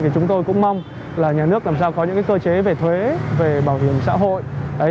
chúng tôi cũng mong là nhà nước làm sao có những cơ chế về thuế về bảo hiểm xã hội